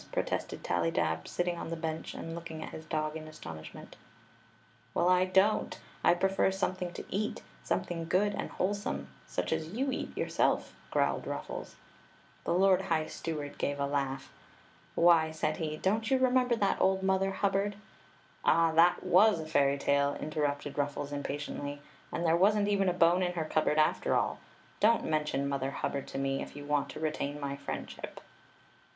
protested Tally dab, sitting on the bench and looking at his dog in astonishmoit "Well, I don't. I prefer something to eat — sume Queen Zixi of Ix; or, the thing good and wholesome, such as you eat yourself," growled Ruffles. The lord high steward gave a laugh. LOOKING AT HIS DOO IN ASTONISHHBNT." . "Why," said he, "don't you remember that old Mother Hubbard "Ah! that was a fairy tale," interrupted Ruffles, impatiently. "And there was n't even a bone in her Story of the Mag ic Cloak 13, cupboard, after all Don't mention Mother Hub bard to me, if you want to retain my friendship."